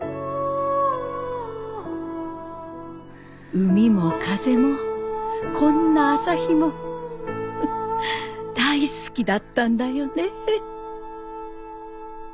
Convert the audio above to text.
海も風もこんな朝日もフフ大好きだったんだよね。